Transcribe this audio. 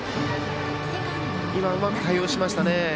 今はうまく対応しましたね。